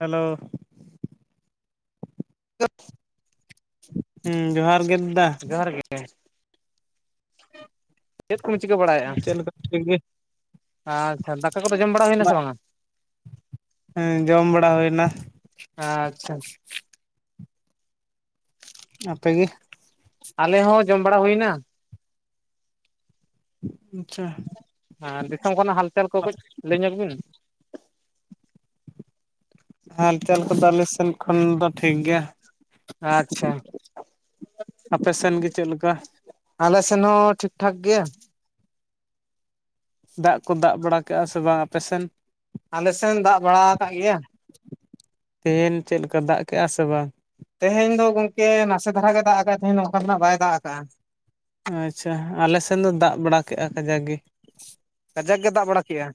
Hello. [unintelligible] ᱦᱮᱸ ᱡᱚᱦᱟᱨ ᱜᱮ ᱫᱟᱫᱟ᱾ [unintelligible] ᱪᱮᱫ ᱠᱚᱵᱤᱱ ᱪᱤᱠᱟᱹ ᱵᱟᱲᱟᱭᱮᱫᱼᱟ᱾ ᱪᱮᱫ ᱞᱮᱠᱟ ᱴᱷᱤᱠ ᱜᱮ ᱟᱪᱪᱷᱟ ᱫᱟᱠᱟ ᱠᱚᱫᱚ ᱡᱚᱢ ᱵᱟᱲᱟ ᱦᱩᱭᱱᱟ ᱥᱮ ᱵᱟᱝᱟ? ᱮᱸ ᱡᱚᱢ ᱵᱟᱲᱟ ᱦᱩᱭᱱᱟ᱾ ᱟ ᱟᱪᱪᱷᱟ᱾ ᱟᱯᱮ ᱜᱮ ᱟᱞᱮ ᱦᱚᱸ ᱡᱚᱢ ᱵᱟᱲᱟ ᱦᱩᱭᱱᱟ᱾ ᱟᱪᱪᱷᱟ᱾ ᱮᱸ ᱫᱤᱥᱚᱢ ᱠᱷᱚᱱᱟᱜ ᱦᱟᱞᱪᱟᱞ ᱠᱚ ᱠᱟᱹᱡ ᱞᱟᱹᱭ ᱧᱚᱜ ᱵᱤᱱ? ᱦᱟᱞᱪᱟᱞ ᱠᱚᱫᱚ ᱟᱞᱮ ᱥᱮᱱ ᱠᱷᱚᱱ ᱫᱚ ᱴᱷᱤᱠ ᱜᱮᱭᱟ᱾ ᱟᱪᱪᱷᱟ ᱟᱯᱮ ᱥᱮᱱ ᱜᱮ ᱪᱮᱫ ᱞᱮᱠᱟ? ᱟᱞᱮ ᱥᱮᱱ ᱦᱚᱸ ᱴᱷᱤᱠ ᱴᱷᱟᱠ ᱜᱮᱭᱟ᱾ ᱫᱟᱜ ᱠᱚ ᱫᱟᱜ ᱵᱟᱲᱟ ᱠᱮᱜᱼᱟ ᱥᱮ ᱵᱟᱝ ᱟᱯᱮ ᱥᱮᱱ? ᱟᱞᱮ ᱥᱮᱱ ᱫᱟᱜ ᱵᱟᱲᱟ ᱟᱠᱟ‌ ᱜᱮᱭᱟ᱾ ᱛᱮᱦᱮᱱ ᱪᱮᱫ ᱞᱮᱠᱟ ᱫᱟᱜ ᱠᱮᱜᱼᱟ ᱥᱮ ᱵᱟᱝ? ᱛᱮᱦᱮᱧ ᱫᱚ ᱜᱚᱝᱠᱮ ᱱᱟᱥᱮ ᱫᱷᱟᱨᱟ ᱜᱮ ᱫᱟᱜ ᱟᱠᱟᱜᱼᱟ᱾ ᱛᱮᱦᱧ ᱫᱚ ᱚᱱᱠᱟ ᱫᱚ ᱱᱟᱜᱷ ᱵᱟᱭ ᱫᱟᱜ ᱟᱠᱟᱟᱜᱼᱟ᱾ ᱟᱪᱪᱷᱟ ᱟᱞᱮ ᱥᱮᱱ ᱫᱚ ᱫᱟᱜ ᱵᱟᱲᱟ ᱠᱮᱜᱼᱟ ᱠᱟᱡᱟᱠ ᱜᱮ᱾ ᱠᱟᱡᱟᱠ ᱜᱮ ᱫᱟᱜ ᱵᱟᱲᱟ ᱠᱮᱫᱼᱟ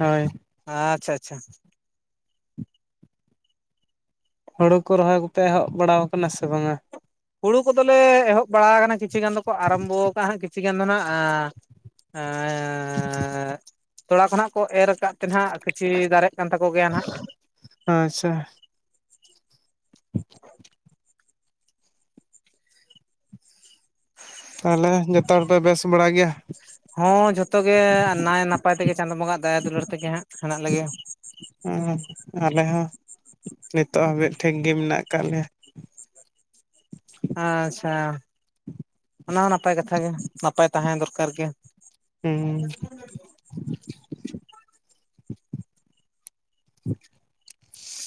ᱦᱳᱭ ᱟᱪᱪᱷᱟ ᱟᱪᱪᱷᱟ᱾ ᱦᱩᱲᱩ ᱠᱚ ᱨᱚᱦᱚᱭ ᱠᱚᱯᱮ ᱮᱦᱚᱵ ᱵᱟᱲᱟᱟᱣ ᱟᱠᱟᱱᱟ ᱥᱮ ᱵᱟᱝᱟ? ᱦᱩᱲᱩ ᱠᱚᱫᱚᱞᱮ ᱮᱦᱚᱵ ᱵᱟᱲᱟ ᱟᱠᱟᱱᱟ ᱠᱤᱪᱷᱤ ᱜᱟᱱ ᱫᱚᱠᱚ ᱟᱨᱟᱢᱵᱷᱚ ᱠᱟᱜᱼᱟ ᱦᱟᱸᱜ ᱠᱤᱪᱷᱩ ᱜᱟᱱ ᱫᱚ ᱦᱟᱸᱜ ᱮᱸ ᱮᱸ ᱛᱚᱲᱟ ᱠᱷᱚᱱᱟᱜ ᱠᱚ ᱮᱨ ᱟᱠᱟᱼᱼ ᱛᱮᱱ ᱦᱟᱜ ᱠᱤᱪᱷᱤ ᱫᱟᱨᱮᱜ ᱠᱟᱱ ᱛᱟᱠᱚ ᱜᱮᱭᱟ ᱱᱟᱜ᱾ ᱟᱪᱪᱷᱟ᱾ ᱛᱟᱦᱚᱞᱮ ᱡᱚᱛᱚ ᱦᱚᱲ ᱯᱮ ᱵᱮᱥ ᱵᱟᱲᱟ ᱜᱮᱭᱟ? ᱦᱚᱸ ᱡᱷᱚᱛᱚ ᱜᱮ ᱱᱟᱭ ᱱᱟᱯᱟᱭ ᱛᱮᱜᱮ ᱪᱟᱸᱫᱳ ᱵᱚᱸᱜᱟ ᱫᱟᱭᱟ ᱫᱩᱞᱟᱹᱲ ᱛᱮᱜᱮ ᱦᱟᱸᱜ ᱦᱮᱱᱟᱜ ᱞᱮᱜᱮᱭᱟ᱾ ᱟᱞᱮ ᱦᱚᱸ ᱱᱤᱛᱳᱜ ᱦᱟᱹᱵᱤᱡ ᱴᱷᱤᱠ ᱜᱮ ᱢᱮᱱᱟᱜ ᱠᱟᱜ ᱞᱮᱭᱟ᱾ ᱟᱪᱪᱷᱟ ᱚᱱᱟ ᱦᱚᱸ ᱱᱟᱯᱟᱭ ᱠᱟᱛᱷᱟ ᱜᱮ ᱱᱟᱯᱟᱭ ᱛᱟᱦᱮᱸ ᱫᱚᱨᱠᱟᱨ ᱜᱮ᱾ ᱦᱩᱸ᱾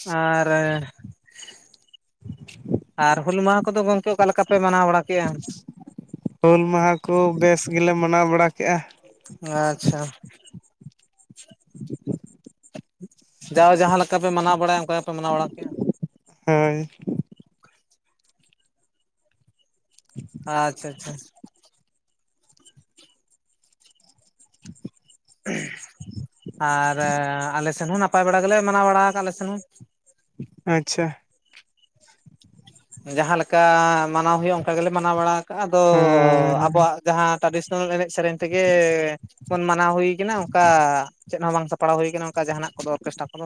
ᱟᱻᱨᱮ ᱟᱨ ᱦᱩᱞ ᱢᱟᱦᱟ ᱠᱚᱫᱚ ᱜᱚᱝᱠᱮ ᱚᱠᱟ ᱞᱮᱠᱟ ᱯᱮ ᱢᱟᱱᱟᱣ ᱵᱟᱲᱟ ᱠᱮᱜᱼᱟ? ᱦᱩᱞ ᱢᱟᱦᱟ ᱠᱚ ᱵᱮᱥ ᱜᱮᱞᱮ ᱢᱟᱱᱟᱣ ᱵᱟᱲᱟᱠᱮᱜᱼᱟ᱾ ᱟᱪᱪᱷᱟ᱾ [inaudible] ᱡᱟᱣ ᱡᱟᱦᱟᱸ ᱞᱮᱠᱟ ᱯᱮ ᱢᱟᱱᱟᱣ ᱵᱟᱲᱟᱭᱟ, ᱚᱱᱠᱟ ᱜᱮᱯᱮ ᱢᱟᱱᱟᱣ ᱵᱟᱲᱟ ᱠᱮᱜᱼᱟ? ᱦᱮᱸᱻᱢ᱾ ᱟᱪᱪᱷᱟ, ᱟᱪᱪᱷᱟ᱾ ᱟᱻᱨ ᱟᱞᱮ ᱥᱮᱱ ᱦᱚᱸ ᱱᱟᱯᱟᱭ ᱵᱟᱲᱟ ᱜᱮᱞᱮ ᱢᱟᱱᱟᱣ ᱵᱟᱲᱟ ᱟᱠᱟᱜ ᱞᱮ ᱥᱮᱱ ᱦᱚᱸ᱾ ᱟᱪᱪᱷᱟ᱾ ᱡᱟᱦᱟᱸᱞᱮᱠᱟ ᱢᱟᱱᱟᱣ ᱦᱩᱭᱩᱜᱼᱟ, ᱚᱱᱠᱟ ᱜᱮᱞᱮ ᱢᱟᱱᱟᱣ ᱵᱟᱲᱟ ᱠᱟᱜᱼᱟ ᱟᱫᱚ ᱦᱮᱸ ᱟᱵᱚᱣᱟᱜ ᱡᱟᱦᱟᱸ ᱴᱨᱟᱰᱤᱥᱚᱱᱟᱞ ᱮᱱᱮᱡ ᱥᱮᱨᱮᱧ ᱛᱮᱜᱮᱻᱼᱼ ᱵᱚᱱ ᱢᱟᱱᱟᱣ ᱦᱩᱭ ᱠᱟᱱᱟ ᱚᱱᱠᱟ ᱪᱮᱫ ᱦᱚᱸ ᱵᱟᱝ ᱥᱟᱯᱲᱟᱣ ᱦᱩᱭ ᱠᱟᱱᱟ ᱚᱱᱠᱟ ᱡᱟᱦᱟᱱᱟᱜ ᱠᱚᱫᱚ ᱚᱨᱠᱮᱥᱴᱨᱟ ᱠᱚᱫᱚ᱾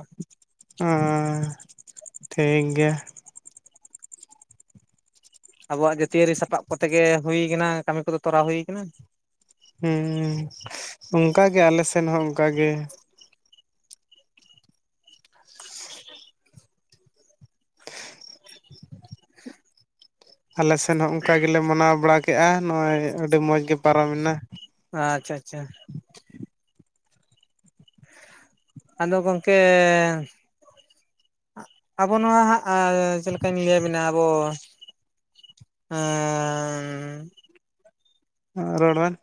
ᱴᱷᱤᱠ ᱜᱮᱭᱟ᱾ ᱟᱵᱚᱣᱟᱜ ᱡᱟᱹᱛᱤᱭᱟᱹᱨᱤ ᱥᱟᱯᱟᱵ ᱠᱚᱛᱮ ᱜᱮ ᱦᱩᱭ ᱠᱟᱱᱟ, ᱠᱟᱹᱢᱤ ᱠᱚᱫᱚ ᱛᱚᱨᱟ ᱦᱩᱭ ᱠᱟᱱᱟ᱾ ᱦᱩᱸᱻ ᱚᱱᱠᱟ ᱜᱮ ᱟᱞᱮ ᱥᱮᱱ ᱦᱚᱸ ᱚᱱᱠᱟ ᱜᱮ᱾ ᱟᱞᱮ ᱥᱮᱱ ᱦᱚᱸ ᱚᱱᱠᱟ ᱜᱮᱞᱮ ᱢᱟᱱᱟᱣ ᱵᱟᱲᱟ ᱠᱮᱫᱼᱟ, ᱱᱚᱜᱼᱚᱭ ᱟᱹᱰᱤ ᱢᱚᱡᱽ ᱜᱮ ᱯᱟᱨᱚᱢ ᱮᱱᱟ᱾ ᱟᱻᱪᱷᱟ, ᱪᱷᱟ᱾ ᱟᱫᱚ ᱜᱚᱝᱠᱮᱻ ᱟᱵᱚ ᱱᱚᱣᱟ ᱦᱟᱸᱜ, ᱪᱮᱫ ᱞᱮᱠᱟᱧ ᱞᱟᱹᱭᱟ ᱵᱮᱱᱟ ᱟᱵᱚ ᱮᱸᱻ ᱨᱚᱲ ᱵᱮᱱ᱾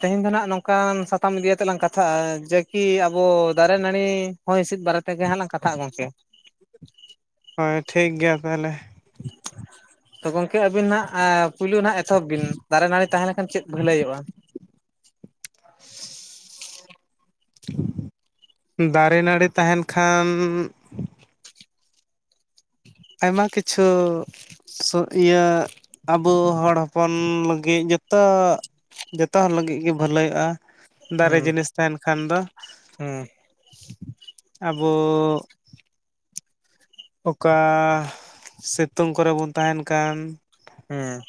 ᱛᱮᱦᱮᱧ ᱫᱚ ᱱᱟᱜ ᱱᱚᱝᱠᱟᱱ ᱥᱟᱛᱟᱢ ᱤᱫᱤᱭᱟᱛᱮᱞᱟᱝ ᱠᱟᱛᱷᱟᱜᱼᱟ, ᱡᱮᱠᱤ ᱟᱵᱚ ᱫᱟᱨᱮ ᱱᱟᱹᱲᱤ ᱦᱚᱭ ᱦᱤᱸᱥᱤᱫ᱾ ᱵᱟᱨᱮ ᱛᱮᱜᱮ ᱦᱟᱸᱞᱟᱝ ᱠᱟᱛᱷᱟᱜᱼᱟ ᱜᱚᱝᱠᱮ᱾ ᱦᱳᱭ ᱴᱷᱤᱠ ᱜᱮᱭᱟ ᱛᱟᱦᱚᱞᱮ᱾ ᱛᱚ ᱜᱚᱝᱠᱮ ᱟᱵᱤᱱ ᱦᱟᱜ ᱯᱩᱭᱞᱩ ᱦᱟᱜ ᱮᱛᱚᱦᱚᱵ ᱵᱤᱱ ᱫᱟᱨᱮ ᱱᱟᱹᱲᱤ ᱛᱟᱦᱮᱸ ᱞᱮᱱᱠᱷᱟᱱ ᱪᱮᱫ ᱵᱷᱟᱹᱞᱟᱹᱭᱚᱜ-ᱟ? [inaudible] ᱫᱟᱨᱮ, ᱱᱟᱹᱲᱤ ᱛᱟᱦᱮᱱ ᱠᱷᱟᱱᱼᱼ ᱟᱭᱢᱟ ᱠᱤᱪᱷᱩ ᱤᱭᱟᱹ ᱟᱵᱚ ᱦᱚᱲ ᱦᱚᱯᱚᱱ ᱞᱟᱹᱜᱤᱫ ᱡᱚᱛᱚᱼᱼ ᱡᱚᱛᱚ ᱦᱚᱲ ᱞᱟᱹᱜᱤᱫ ᱜᱮ ᱵᱷᱟᱹᱞᱟᱹᱭᱚᱜᱼᱟ᱾ ᱫᱟᱨᱮ ᱦᱩᱸ ᱡᱤᱱᱤᱥ ᱛᱟᱦᱮᱱ ᱠᱷᱟᱱ ᱫᱚ, ᱦᱩᱸ ᱟᱵᱚᱼᱼ ᱚᱠᱟᱻ ᱥᱤᱛᱩᱝ ᱠᱚᱨᱮ ᱵᱚᱱ ᱛᱟᱦᱮᱱ ᱠᱟᱱ ᱦᱮᱸ᱾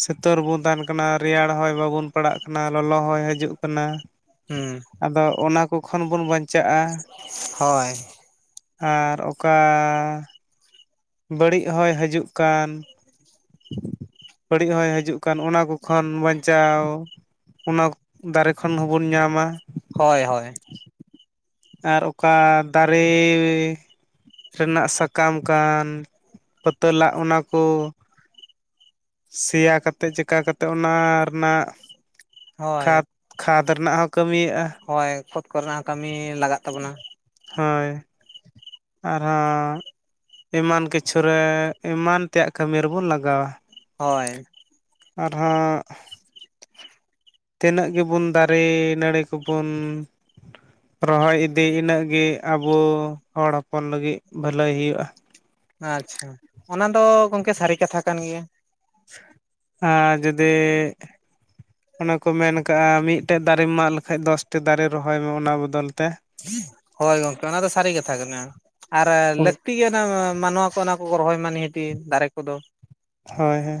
ᱥᱤᱛᱚᱨ ᱵᱚᱱ ᱛᱟᱦᱮᱱ ᱠᱟᱱᱟ ᱨᱮᱭᱟᱲ ᱦᱚᱭ ᱵᱟᱵᱚᱱ ᱯᱟᱲᱟᱜ ᱠᱟᱱᱟ, ᱞᱚᱞᱚ ᱦᱚᱭ ᱦᱤᱡᱩᱜ ᱠᱟᱱᱟ᱾ ᱦᱩᱸ᱾ ᱟᱫᱚ ᱚᱱᱟ ᱠᱚ ᱠᱷᱚᱱ ᱵᱚᱱ ᱵᱟᱧᱪᱟᱜᱼᱟ᱾ ᱦᱳᱭ᱾ ᱟᱨ ᱚᱠᱟ᱾ ᱵᱟᱹᱲᱤᱡ ᱦᱚᱭ ᱦᱤᱡᱩᱜ ᱠᱟᱱ᱾ ᱵᱟᱹᱲᱤᱡ ᱦᱚᱭ ᱦᱤᱡᱩᱜ ᱠᱟᱱ ᱚᱱᱟ ᱠᱚ ᱠᱷᱚᱱ ᱵᱟᱧᱪᱟᱣ᱾ ᱚᱱᱟ ᱫᱟᱨᱮ ᱠᱷᱚᱱ ᱦᱚᱸᱵᱚᱱ ᱧᱟᱢᱟ᱾ ᱦᱳᱭ ᱦᱳᱭ᱾ ᱟᱨ ᱚᱠᱟ ᱫᱟᱨᱮ᱾ ᱨᱮᱱᱟᱜ ᱥᱟᱠᱟᱢ ᱠᱟᱱ᱾ᱛᱚ ᱛᱚᱞᱟᱜ ᱚᱱᱟ ᱠᱚ᱾ ᱥᱮᱭᱟ ᱠᱟᱛᱮᱫ ᱪᱤᱠᱟᱹᱛᱮᱫ ᱚᱱᱟ ᱨᱮᱱᱟᱜ ᱠᱷᱟᱫᱽ᱾ ᱠᱷᱟᱫᱽ ᱨᱮᱱᱟᱜ ᱦᱚᱸ ᱠᱟᱹᱢᱤᱭᱟᱹᱜᱼᱟ᱾ ᱦᱳᱭ ᱠᱷᱚᱛ ᱠᱚᱨᱮᱱᱟᱜ ᱦᱚᱸ ᱠᱟᱹᱢᱤ ᱞᱟᱜᱟᱜ ᱛᱟᱵᱚᱱᱟ᱾ ᱦᱳᱭ᱾ ᱟᱨᱦᱚᱸ ᱮᱢᱟᱱ ᱠᱤᱪᱷᱩᱨᱮ, ᱮᱢᱟᱱ ᱛᱮᱭᱟᱜ ᱠᱟᱹᱢᱤ ᱨᱮᱵᱚᱱ ᱞᱟᱜᱟᱣᱟ᱾ ᱦᱳᱭ᱾ ᱟᱨ ᱦᱚᱸ᱾ ᱛᱤᱱᱟᱹᱜ ᱜᱮᱵᱚᱱ ᱫᱟᱨᱮ ᱱᱟᱹᱲᱤ ᱠᱚᱵᱚᱱ᱾ ᱨᱚᱦᱚᱭ ᱤᱫᱤ ᱤᱱᱟᱹᱜ ᱜᱮ ᱟᱵᱚ, ᱦᱚᱲ ᱦᱚᱯᱚᱱ ᱞᱟᱹᱜᱤᱫ ᱵᱷᱟᱹᱞᱟᱹᱭ ᱦᱩᱭᱩᱜᱼᱟ᱾ ᱟᱪᱪᱷᱟ, ᱚᱱᱟ ᱫᱚ ᱜᱚᱢᱠᱮ ᱥᱟᱹᱨᱤ ᱠᱟᱛᱷᱟ ᱠᱟᱱ ᱜᱮᱭᱟ᱾ ᱟᱨ ᱡᱩᱫᱤ᱾ ᱚᱱᱮ ᱠᱚ ᱢᱮᱱ ᱠᱟᱜᱼᱟ ᱢᱤᱫᱴᱮᱜ ᱫᱟᱨᱮᱢ ᱢᱟᱜ ᱞᱮᱠᱷᱟᱡ ᱫᱚᱥ ᱴᱤ ᱫᱟᱨᱮ ᱨᱚᱦᱚᱭ ᱢᱮ ᱚᱱᱟ ᱵᱚᱫᱚᱞ ᱛᱮ᱾ ᱦᱳᱭ ᱜᱚᱢᱠᱮ ᱚᱱᱟ ᱫᱚ ᱥᱟᱹᱨᱤ ᱠᱟᱛᱷᱟ ᱠᱟᱱᱟ᱾ ᱟᱨ ᱦᱳᱭ ᱞᱟᱹᱠᱛᱤ ᱜᱮᱭᱟ ᱢᱟᱱᱣᱟ ᱠᱚ ᱚᱱᱟ ᱠᱚ ᱨᱚᱦᱚᱭ ᱢᱟ ᱱᱤᱦᱟᱹᱛ ᱫᱟᱨᱮ ᱠᱚᱫᱚ᱾ ᱦᱳᱭ ᱦᱳᱭ᱾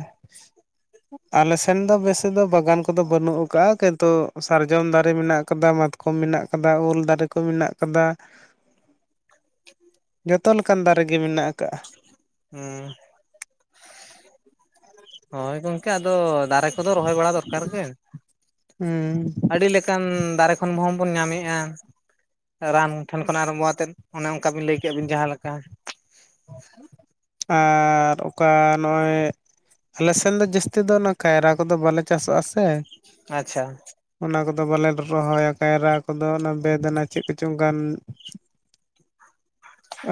ᱟᱞᱮ ᱥᱮᱱ ᱫᱚ ᱵᱮᱥᱤ ᱫᱚ ᱵᱟᱜᱟᱱ ᱠᱚᱫᱚ ᱵᱟᱹᱱᱩᱜ ᱟᱠᱟᱜᱼᱟ᱾ ᱠᱤᱱᱛᱩ ᱥᱟᱨᱡᱚᱢ ᱫᱟᱨᱮ ᱢᱮᱱᱟᱜ ᱠᱟᱫᱟ, ᱢᱟᱛ᱾ ᱠᱚᱢ ᱢᱮᱱᱟᱜ ᱠᱟᱫᱟ ᱩᱞ ᱫᱟᱨᱮ ᱠᱚ ᱢᱮᱱᱟᱜ ᱠᱟᱫᱟ᱾ ᱡᱚᱛᱚ ᱞᱮᱠᱟᱱ ᱫᱟᱨᱮ ᱜᱮ ᱢᱮᱱᱟᱜ ᱠᱟᱜᱼᱟ᱾ ᱦᱩᱸ ᱦᱳᱭ ᱜᱚᱢᱠᱮ ᱟᱫᱚ ᱫᱟᱨᱮ ᱠᱚᱫᱚ ᱨᱚᱦᱚᱭ ᱵᱟᱲᱟ ᱫᱚᱨᱠᱟᱨ ᱜᱮ᱾ ᱦᱩᱸ᱾ ᱟᱹᱰᱤ ᱞᱮᱠᱟᱱ ᱫᱟᱨᱮ ᱠᱷᱚᱱ ᱵᱚᱱ ᱧᱟᱢᱮᱜᱼᱟ᱾ ᱨᱟᱱ ᱴᱷᱮᱱ ᱠᱷᱚᱱ ᱟᱨᱟᱢᱵᱷᱚ ᱛᱮᱫ ᱚᱱᱮ ᱚᱱᱠᱟ ᱵᱤᱱ ᱞᱟᱹᱭ ᱠᱮᱫ ᱵᱤᱱ ᱡᱟᱦᱟᱸ ᱞᱮᱠᱟ᱾ ᱟᱨ ᱚᱠᱟ ᱱᱚᱜᱼᱚᱭ᱾ ᱟᱞᱮ ᱥᱮᱱ ᱫᱚ ᱡᱟᱹᱥᱛᱤ ᱫᱚ ᱚᱱᱟ ᱠᱟᱭᱨᱟ ᱠᱚᱫᱚ ᱵᱟᱞᱮ ᱪᱟᱥᱚᱜᱼᱟ ᱥᱮ᱾ ᱟᱪᱪᱷᱟ᱾ ᱚᱱᱟ ᱠᱚᱫᱚ ᱵᱟᱞᱮ ᱨᱚᱦᱚᱭᱟ ᱠᱟᱭᱨᱟ ᱠᱚᱫᱚ ᱚᱱᱟ ᱵᱮᱫᱱᱟ ᱪᱮᱫ ᱠᱚᱪᱚᱝ ᱠᱟᱱ?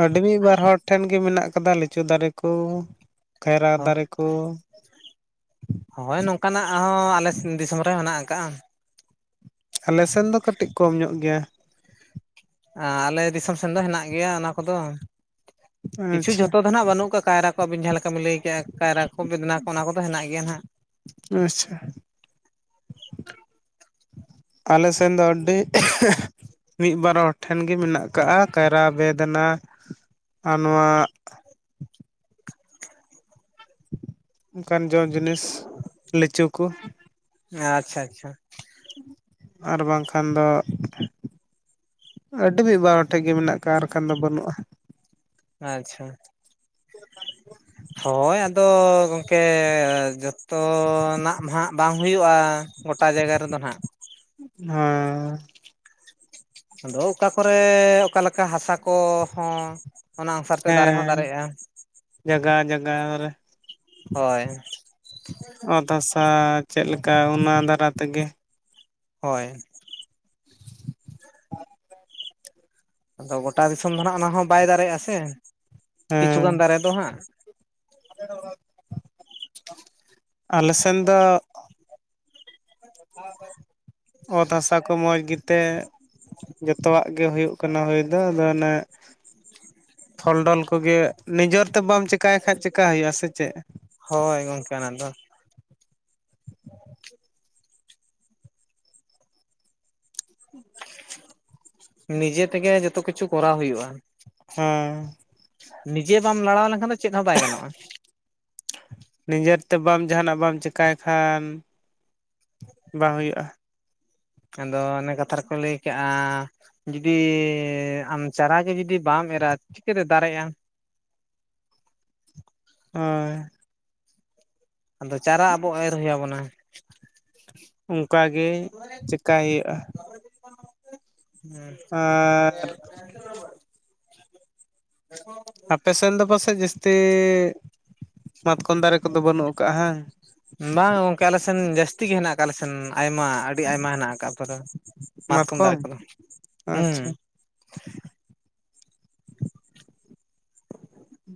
ᱟᱹᱰᱤ ᱢᱤ ᱵᱟᱨ ᱦᱚᱲ ᱴᱷᱮᱱ ᱜᱮ ᱢᱮᱱᱟᱜ ᱠᱟᱫᱟ ᱞᱤ, ᱪᱩ ᱫᱟᱨᱮ ᱠᱩ, ᱠᱟᱭᱨᱟ ᱫᱟᱨᱮ ᱠᱩ᱾ ᱦᱳᱭ ᱱᱚᱝᱠᱟᱱᱟᱜ ᱦᱚᱸ ᱟᱞᱮ ᱫᱤᱥᱚᱢ ᱨᱮ ᱢᱮᱱᱟᱜ ᱟᱠᱟᱜᱼᱟ᱾ ᱟᱞᱮ ᱥᱮᱱ ᱫᱚ ᱠᱟᱹᱴᱤᱡ ᱠᱚᱢ ᱧᱚᱜ ᱜᱮᱭᱟ᱾ ᱟᱞᱮ ᱫᱤᱥᱚᱢ ᱥᱮᱱ ᱫᱚ ᱦᱮᱱᱟᱜ ᱜᱮᱭᱟ ᱚᱱᱟ ᱠᱚᱫᱚ ᱠᱤᱪᱷᱩ ᱟᱪᱪᱷᱟ ᱡᱷᱚᱛᱚ ᱫᱚ ᱟᱸᱱᱟᱜ ᱵᱟᱹᱱᱩᱜ ᱠᱟᱜ᱾ ᱠᱟᱭᱨᱟ ᱠᱚ ᱟᱵᱤᱱ ᱡᱟᱦᱟᱸ ᱞᱮᱠᱟ ᱵᱤᱱ ᱞᱟᱹᱭᱠᱼᱟ ᱠᱟᱭᱨᱟ ᱠᱚ ᱵᱮᱮᱫᱱᱟ ᱠᱚ ᱚᱱᱟ ᱠᱚᱫᱚ ᱦᱮᱱᱟᱜ ᱜᱮᱭᱟ ᱦᱟᱜ᱾ ᱟᱪᱪᱷᱟ᱾ ᱟᱞᱮ ᱥᱮ ᱫᱚ ᱟᱹᱰᱤ᱾ ᱢᱤ ᱵᱟᱨ ᱦᱚᱲ ᱴᱷᱮᱱ ᱜᱮ ᱢᱮᱱᱟᱜ ᱠᱟᱜᱼᱟ ᱠᱟᱭᱨᱟ, ᱵᱮᱫᱱᱟ ᱟᱨ ᱱᱚᱣᱟ᱾ ᱚᱱᱠᱟᱱ ᱡᱚᱢ ᱡᱤᱱᱤᱥ ᱞᱤᱪᱩ ᱠᱚ᱾ ᱟᱪᱪᱷᱟ ᱟᱪᱪᱷᱟ ᱟᱨ ᱵᱟᱝᱠᱷᱟᱱ ᱫᱚ ᱟᱹᱰᱤ ᱢᱤ ᱵᱟᱨ ᱦᱚᱲ ᱴᱷᱮᱱ ᱜᱮ ᱢᱮᱱᱟᱜ ᱠᱷᱟᱡ ᱟᱨ ᱠᱷᱟᱱ ᱫᱚ ᱵᱟᱹᱱᱩᱜᱼᱟ᱾ ᱟᱪᱪᱷᱟ [inaudible] ᱦᱳᱭ ᱟᱫᱚ ᱜᱚᱝᱠᱮ ᱡᱚᱛᱚ ᱱᱟᱜ ᱢᱟ ᱦᱟᱸᱜ ᱵᱟᱝ ᱦᱩᱭᱩᱜᱼᱟᱻ ᱜᱚᱴᱟ ᱡᱟᱭᱜᱟ ᱨᱮᱫᱚ ᱱᱟᱦᱟᱸᱜ᱾ ᱦᱩᱸᱻ ᱟᱫᱚ ᱚᱠᱟ ᱠᱚᱨᱮ ᱚᱠᱟᱞᱮᱠᱟ ᱦᱟᱥᱟ ᱠᱚᱦᱚᱸ ᱚᱱᱟ ᱚᱝᱥᱟᱨ ᱛᱮ ᱫᱟᱨᱮ ᱦᱚᱸ ᱦᱮᱸ ᱫᱟᱨᱮᱜᱼᱟ᱾ ᱡᱟᱜᱟ ᱡᱟᱜᱟ ᱨᱮ ᱦᱳᱭ᱾ ᱚᱛ ᱦᱟᱥᱟ ᱪᱮᱫ ᱞᱮᱠᱟ ᱚᱱᱟ ᱫᱟᱨᱟ ᱛᱮᱜᱮ ᱦᱳᱭ ᱟᱫᱚ ᱜᱚᱴᱟ ᱫᱤᱥᱚᱢ ᱫᱚ ᱦᱟᱸᱜ ᱚᱱᱟ ᱦᱚᱸ ᱵᱟᱭ ᱫᱟᱨᱮᱜᱼᱟ ᱥᱮ ᱠᱤᱪᱷᱩ ᱜᱟᱱ ᱦᱮᱸ ᱫᱟᱨᱮ ᱫᱚ ᱦᱟᱸᱜ [inaudible] ᱟᱞᱮ ᱥᱮᱱ ᱫᱚ [inaudible] ᱚᱛ ᱦᱟᱥᱟ ᱠᱚ ᱢᱚᱸᱡᱽ ᱜᱮᱛᱮ ᱡᱚᱛᱚ ᱟᱜ ᱜᱮ ᱦᱳᱭᱳᱜ ᱠᱟᱱᱟ ᱦᱳᱭ ᱫᱚ ᱟᱫᱚ ᱚᱱᱮ ᱯᱷᱚᱞ ᱰᱚᱞ ᱠᱚᱜᱮ ᱱᱤᱡᱮᱨ ᱛᱮ ᱵᱟᱢ ᱪᱮᱠᱟᱭ ᱠᱷᱟᱡ ᱪᱮᱠᱟ ᱦᱩᱭᱩᱜᱼᱟ ᱥᱮ ᱪᱮ? ᱦᱳᱭ ᱜᱚᱝᱠᱮ ᱚᱱᱟ ᱫᱚ [unintelligible] ᱱᱤᱡᱮ ᱛᱮᱜᱮ ᱡᱚᱛᱚ ᱠᱤᱪᱷᱩ ᱠᱚᱨᱟᱣ ᱦᱩᱭᱩᱜᱼᱟ᱾ ᱦᱩᱸᱻ ᱱᱤᱡᱮ ᱵᱟᱢ ᱞᱟᱲᱟᱣ ᱞᱮᱱᱠᱷᱟᱱ ᱫᱚ ᱪᱮᱫ ᱦᱚᱸ ᱵᱟᱭ ᱜᱟᱱᱚᱜᱼᱟ᱾ ᱱᱤᱡᱮᱨ ᱛᱮ ᱵᱟᱢ ᱡᱟᱦᱟᱱᱟᱜ ᱵᱟᱢ ᱪᱤᱠᱟᱭ ᱠᱷᱟᱱ ᱵᱟᱝ ᱦᱩᱭᱩᱜᱼᱟ᱾ ᱮᱱ ᱠᱷᱟᱱ ᱫᱚ ᱚᱱᱮ ᱠᱟᱛᱷᱟ ᱨᱮᱠᱚ ᱞᱟᱹᱭ ᱠᱟᱜᱼᱟᱻ ᱡᱩᱫᱤᱻ ᱟᱢ ᱪᱟᱨᱟ ᱜᱮ ᱡᱩᱫᱤ ᱵᱟᱢ ᱮᱨᱟ ᱪᱤᱠᱟᱹᱛᱮ ᱫᱟᱨᱮᱜᱼᱟ? ᱦᱚᱭ ᱟᱫᱚ ᱪᱟᱨᱟ ᱟᱵᱚ ᱮᱨ ᱦᱩᱭ ᱟᱵᱚᱱᱟ᱾ ᱚᱱᱠᱟ ᱜᱮ ᱪᱤᱠᱟᱭ ᱦᱩᱭᱩᱜᱼᱟ᱾ ᱟᱨ [inaudible] [inaudible] ᱟᱯᱮ ᱥᱮᱱ ᱫᱚ ᱯᱟᱥᱮᱡ ᱡᱟᱹᱥᱛᱤᱻ ᱢᱟᱛᱠᱚᱢ ᱫᱟᱨᱮ ᱠᱚᱫᱚ ᱵᱟᱹᱱᱩᱜ ᱠᱟᱜᱼᱟ ᱦᱮᱸ? ᱵᱟᱝ ᱜᱚᱝᱠᱮ ᱟᱞᱮ ᱥᱮᱱ ᱡᱟᱹᱥᱛᱤ ᱜᱮ ᱦᱮᱱᱟᱜ ᱟᱠᱟᱫ ᱟᱞᱮ ᱥᱮᱱ ᱟᱭᱢᱟ ᱟᱹᱰᱤ ᱟᱭᱢᱟ ᱦᱮᱱᱟᱜ ᱟᱠᱟᱫ ᱯᱟᱨᱟ ᱢᱟᱛᱠᱚᱢ ᱫᱟᱨᱮ ᱠᱚᱫᱚ ᱦᱩᱸᱻ ᱟᱪᱪᱷᱟ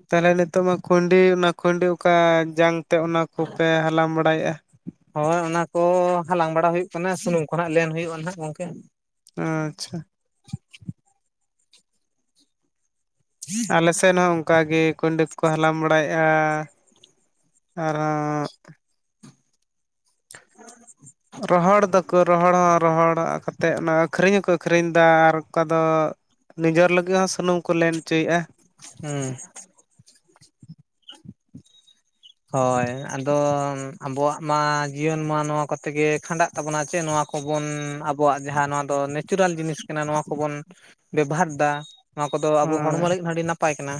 ᱛᱟᱦᱚᱞᱮ ᱱᱤᱛᱚᱜ ᱢᱟ ᱠᱷᱩᱱᱰᱤ ᱚᱱᱟ ᱠᱷᱩᱱᱰᱤ ᱚᱠᱟ ᱡᱟᱝᱛᱮ ᱚᱱᱟ ᱠᱚᱯᱮ ᱦᱟᱞᱟᱝ ᱵᱟᱲᱟᱭ ᱮᱜᱼᱟ? ᱦᱳᱭ ᱚᱱᱟ ᱠᱚ ᱦᱟᱞᱟᱝ ᱵᱟᱲᱟ ᱦᱩᱭᱩᱜ ᱠᱟᱱᱟ ᱥᱩᱱᱩᱢ ᱠᱚ ᱦᱟᱸᱜ ᱞᱮᱱ ᱦᱩᱭᱩᱜᱼᱟ ᱱᱟᱜ ᱜᱚᱝᱠᱮ᱾ ᱟᱻᱪᱪᱷᱟ [inaudible] ᱟᱞᱮ ᱥᱮᱫ ᱦᱚᱸ ᱚᱱᱠᱟ ᱜᱮ ᱠᱩᱱᱰᱤ ᱠᱚᱠᱚ ᱦᱟᱞᱟᱝ ᱵᱟᱲᱟᱭ ᱮᱜᱼᱟ ᱟᱨᱦᱚᱸᱻ [inaudible] ᱨᱚᱦᱚᱲ ᱫᱚᱻ ᱠᱚ ᱨᱚᱦᱚᱲ ᱦᱚᱸ ᱨᱚᱦᱚᱲ ᱠᱟᱛᱮᱫ ᱚᱱᱟ ᱟᱹᱠᱷᱨᱤᱧ ᱦᱚᱸᱠᱚ ᱟᱹᱠᱷᱨᱤᱧᱫᱟ ᱟᱨ ᱚᱠᱟ ᱫᱚ ᱱᱤᱡᱮᱨ ᱞᱟᱹᱜᱤᱫ ᱦᱚᱸ ᱥᱩᱱᱩᱢ ᱠᱚ ᱞᱮᱱ ᱚᱪᱚᱭᱮᱜᱼᱟ᱾ ᱦᱩᱸ᱾ ᱦᱳᱭ ᱟᱫᱚ ᱟᱵᱚᱣᱟᱜ ᱢᱟ ᱡᱤᱭᱚᱱ ᱢᱟ ᱱᱚᱣᱟ ᱠᱚᱛᱮ ᱜᱮ ᱠᱷᱟᱸᱰᱟᱜ ᱛᱟᱵᱚᱱᱟ ᱪᱮᱜ ᱱᱚᱣᱟ ᱠᱚᱵᱚᱱ ᱟᱵᱚᱣᱟᱜ ᱡᱟᱦᱟᱸ ᱱᱚᱣᱟ ᱫᱚ ᱱᱮᱪᱩᱨᱟᱞ ᱡᱤᱱᱤᱥ ᱠᱟᱱᱟ ᱱᱚᱣᱟ ᱠᱚᱵᱚᱱ ᱵᱮᱵᱷᱟᱨ ᱴᱟ ᱱᱚᱣᱟ ᱠᱚᱫᱚ ᱟᱵᱚ ᱦᱚᱲᱢᱚ ᱦᱳᱭ ᱨᱮᱱ ᱟᱹᱰᱤ ᱱᱟᱯᱟᱭ ᱠᱟᱱᱟ᱾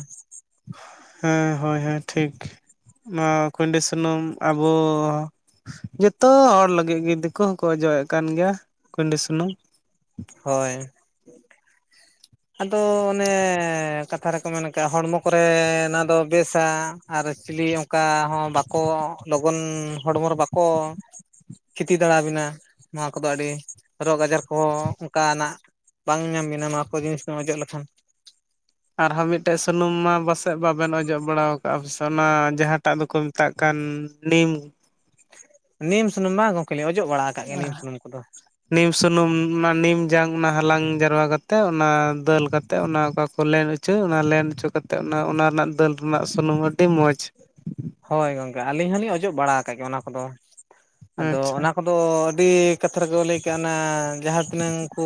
ᱦᱮᱸ ᱦᱳᱭ ᱦᱮᱸ ᱴᱷᱤᱠ ᱱᱚᱣᱟ ᱠᱚᱭᱰᱤ ᱥᱩᱱᱩᱢ ᱟᱵᱚ ᱡᱚᱛᱚ ᱦᱚᱲ ᱞᱟᱹᱜᱤᱫ ᱜᱮ ᱫᱤᱠᱩ ᱦᱚᱸᱠᱚ ᱚᱡᱚᱜᱮᱜ ᱠᱟᱱ ᱜᱮᱭᱟ ᱠᱩᱭᱰᱤ ᱥᱩᱱᱩᱢ᱾ ᱦᱳᱭ᱾ ᱟᱫᱚ ᱚᱱᱮ ᱠᱟᱛᱷᱟ ᱨᱮᱠᱚ ᱢᱮᱱ ᱟᱠᱟᱜ ᱦᱚᱲᱢᱚ ᱠᱚᱨᱮ ᱚᱱᱟ ᱫᱚ ᱵᱮᱥᱟ ᱟᱨ ᱪᱤᱞᱤ ᱚᱱᱠᱟ ᱦᱚᱸ ᱵᱟᱠᱚ ᱞᱚᱜᱚᱱ ᱦᱚᱲᱢᱚ ᱨᱮ ᱵᱟᱠᱚ ᱠᱷᱮᱛᱤ ᱫᱟᱲᱟ ᱟᱵᱤᱱᱟᱜ ᱱᱚᱣᱟ ᱠᱚᱫᱚ ᱟᱹᱰᱤ ᱨᱳᱜᱽ ᱟᱡᱟᱨ ᱠᱚ ᱚᱱᱠᱟᱱᱟᱜ ᱵᱟᱝ ᱧᱟᱢ ᱵᱤᱱᱟ ᱱᱚᱣᱟ ᱠᱚ [unintelligible] ᱟᱨᱦᱚᱸ ᱢᱤᱜᱴᱮᱡ ᱥᱩᱱᱩᱢ ᱢᱟ ᱯᱟᱥᱮᱜ ᱵᱟᱵᱮᱱ ᱟᱡᱚᱢ ᱵᱟᱲᱟᱣ ᱠᱟᱜᱟ ᱥᱟᱱᱟ ᱡᱟᱦᱟᱸ ᱴᱟᱜ ᱫᱚᱠᱚ ᱢᱮᱛᱟᱜ ᱠᱟᱱ ᱱᱤᱢ᱾ ᱱᱤᱢ ᱥᱩᱱᱩᱢ ᱢᱟ ᱜᱚᱝᱠᱮ ᱞᱤᱧ ᱚᱡᱚᱜ ᱵᱟᱲᱟ ᱟᱠᱟᱜ ᱜᱮᱭᱟ ᱱᱤᱢ ᱥᱩᱱᱩᱢ᱾ ᱱᱤᱢ ᱥᱩᱱᱩᱢ ᱚᱱᱟ ᱱᱤᱢ ᱡᱟᱝ ᱚᱱᱟ ᱦᱟᱞᱟᱝ ᱡᱟᱨᱣᱟ ᱠᱟᱛᱮᱜ ᱚᱱᱟ ᱫᱟᱹᱞ ᱠᱟᱛᱮᱜ ᱚᱱᱟ ᱚᱠᱟ ᱠᱚ ᱞᱮᱱ ᱦᱚᱪᱟᱹ ᱚᱱᱟ ᱞᱮᱱ ᱪᱚ ᱠᱟᱛᱮᱜ ᱚᱱᱟ ᱚᱱᱟ ᱨᱮᱱᱟᱜ ᱫᱟᱹᱞ ᱨᱮᱱᱟᱜ ᱥᱩᱱᱩᱢ ᱟᱹᱰᱤ ᱢᱚᱡᱽ᱾ ᱦᱳᱭ ᱜᱚᱝᱠᱮ ᱟᱹᱞᱤᱧ ᱦᱚᱞᱤᱧ ᱚᱡᱚᱜ ᱵᱟᱲᱟ ᱟᱠᱟᱜ ᱜᱮᱭᱟ ᱚᱱᱟ ᱠᱚᱦᱚ ᱟᱫᱚ ᱟᱪᱪᱷᱟ ᱚᱱᱟ ᱠᱚ ᱫᱚ ᱟᱹᱰᱤ ᱠᱟᱛᱷᱟ ᱨᱮᱠᱚ ᱞᱟᱹᱭ ᱠᱟᱜ ᱟᱱᱟ ᱡᱟᱦᱟᱸ ᱛᱤᱱᱟᱹᱝ ᱠᱩ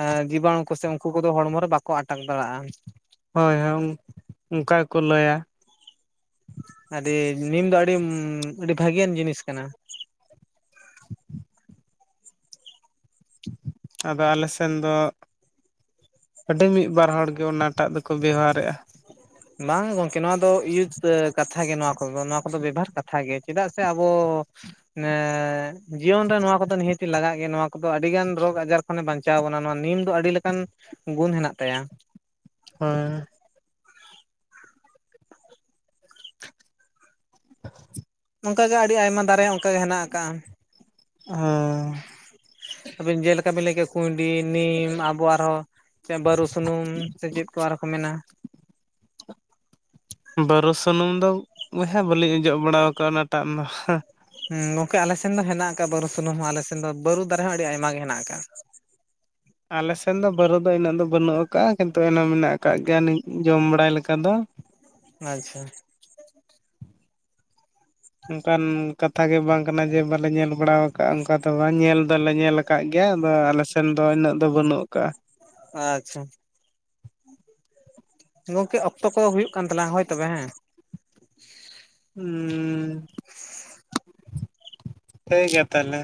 ᱟ ᱡᱤᱵᱟᱱᱩ ᱠᱚᱥᱮ ᱩᱱᱠᱩ ᱠᱚᱫᱚ ᱦᱚᱲᱢᱚ ᱨᱮᱠᱚ ᱟᱠᱚ ᱟᱴᱟᱝ ᱵᱟᱲᱟᱜᱼᱟ᱾ ᱦᱳᱭ ᱦᱳᱭ ᱚᱱᱠᱟ ᱜᱮᱠᱚ ᱞᱟᱹᱭᱟ᱾ ᱟᱹᱰᱤ ᱱᱤᱢ ᱫᱚ ᱟᱹᱰᱤ ᱟᱹᱰᱤ ᱵᱷᱟᱜᱮᱭᱟᱱ ᱡᱤᱱᱤᱥ ᱠᱟᱱᱟ᱾ [inaudible] ᱟᱫᱚ ᱟᱞᱮ ᱥᱮᱱ ᱫᱚ ᱟᱹᱰᱤ ᱢᱤᱜ ᱵᱟᱨ ᱦᱚᱲ ᱜᱮ ᱚᱱᱟᱴᱟᱜ ᱫᱚᱠᱚ ᱵᱮᱣᱦᱟᱨᱮᱜᱼᱟ᱾ ᱵᱟᱝ ᱜᱚᱝᱠᱮ ᱱᱚᱣᱟ ᱫᱚ ᱤᱭᱟᱛ ᱥᱮ ᱠᱟᱛᱷᱟ ᱜᱮ ᱱᱚᱣᱟ ᱠᱚᱫᱚ ᱱᱚᱣᱟ ᱠᱚᱫᱚ ᱵᱮᱵᱦᱟᱨ ᱠᱟᱛᱷᱟ ᱜᱮ᱾ ᱪᱮᱫᱟᱜ ᱥᱮ ᱟᱵᱚ ᱢᱟᱱᱮ ᱡᱤᱭᱚᱱ ᱨᱮ ᱱᱚᱣᱟ ᱠᱚᱫᱚ ᱱᱤᱦᱟᱹᱛᱤ ᱞᱟᱜᱟᱜ ᱜᱮ ᱱᱚᱣᱟ ᱠᱚᱫᱚ ᱟᱹᱰᱤ ᱜᱟᱱ ᱨᱳᱜᱽ ᱟᱡᱟᱨ ᱠᱷᱚᱱ ᱮ ᱵᱟᱧᱪᱟᱣ ᱵᱚᱱᱟ ᱱᱚᱣᱟ ᱱᱤᱢ ᱫᱚ ᱟᱹᱰᱤ ᱞᱮᱠᱟᱱ ᱜᱩᱱ ᱦᱮᱱᱟᱜ ᱛᱟᱭᱟ᱾ ᱦᱳᱭ᱾ [inaudible] ᱱᱚᱝᱠᱟ ᱜᱮ ᱟᱹᱰᱤ ᱟᱭᱢᱟ ᱫᱟᱨᱮ ᱚᱱᱠᱟ ᱜᱮ ᱦᱮᱱᱟᱜ ᱟᱠᱟᱜᱟ᱾ ᱦᱩᱸ ᱟᱹᱵᱤᱱ ᱡᱮᱞᱮᱠᱟ ᱵᱤᱱ ᱞᱟᱹᱭ ᱠᱮᱜᱟ ᱠᱩᱸᱰᱤ, ᱱᱤᱢ, ᱟᱵᱚ ᱟᱨᱦᱚᱸ ᱪᱮ ᱵᱟᱹᱨᱩ ᱥᱩᱱᱩᱢ ᱥᱮ ᱪᱮᱫ ᱠᱚ ᱟᱨᱦᱚᱸ ᱠᱚ ᱢᱮᱱᱟ ᱵᱟᱹᱨᱩ ᱥᱩᱱᱩᱢ ᱫᱚ ᱵᱚᱭᱦᱟ ᱵᱟᱹᱞᱤᱧ ᱚᱡᱚᱜ ᱵᱟᱲᱟᱣ ᱠᱟᱜᱟ ᱚᱱᱟᱴᱟᱜ ᱫᱚ ᱦᱟ ᱦᱩᱸ ᱜᱚᱝᱠᱮ ᱟᱞᱮᱥᱮᱱ ᱫᱚ ᱦᱮᱱᱟᱜ ᱟᱠᱟᱜᱟ ᱵᱟᱹᱨᱩ ᱥᱩᱱᱩᱢ ᱦᱚᱸ ᱟᱞᱮᱥᱮᱱ ᱫᱚ ᱵᱟᱹᱨᱩ ᱫᱟᱨᱮ ᱦᱚᱸ ᱟᱹᱰᱤ ᱟᱭᱢᱟ ᱜᱮ ᱦᱮᱱᱟᱜ ᱟᱠᱟᱜ᱾ ᱟᱞᱮ ᱥᱮᱱ ᱫᱚ ᱵᱟᱹᱨᱩ ᱫᱚ ᱤᱱᱟᱹᱜ ᱫᱚ ᱵᱟᱹᱱᱩᱜ ᱟᱠᱟᱜᱟ ᱠᱤᱱᱛᱩ ᱮᱱᱟᱢ ᱢᱮᱱᱟᱜ ᱟᱠᱟᱜ ᱜᱮᱭᱟ ᱱᱤᱝ ᱡᱚᱢ ᱵᱟᱲᱟᱭ ᱞᱮᱠᱟ ᱫᱚ᱾ ᱟᱪᱪᱷᱟ᱾ ᱚᱱᱠᱟᱱ ᱠᱟᱛᱷᱟ ᱜᱮ ᱵᱟᱝ ᱠᱟᱱᱟ ᱡᱮ ᱵᱟᱞᱮ ᱧᱮᱞ ᱵᱟᱲᱟᱣ ᱟᱠᱟᱜᱟ ᱚᱱᱠᱟ ᱫᱚ ᱵᱟᱝ ᱧᱮᱞ ᱫᱚᱞᱮ ᱧᱮᱞ ᱟᱠᱟᱜ ᱜᱮᱭᱟ ᱟᱫᱚ ᱟᱞᱮᱥᱮᱱ ᱫᱚ ᱤᱱᱟᱹᱜ ᱫᱚ ᱵᱟᱹᱱᱩᱜ ᱟᱠᱟᱜᱟ᱾ ᱟᱪᱪᱷᱟ᱾ ᱜᱚᱝᱠᱮ ᱚᱠᱛᱚ ᱠᱚᱫᱚ ᱦᱩᱭᱩᱜ ᱠᱟᱱ ᱛᱟᱞᱟᱝ ᱦᱳᱭ ᱛᱚᱵᱮ ᱦᱮᱸ᱾ ᱦᱩᱸ᱾ [inaudible] ᱞᱟᱹᱭ ᱜᱮᱭᱟ ᱛᱟᱦᱞᱮ᱾